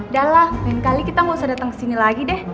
dahlah lain kali kita gak usah datang kesini lagi deh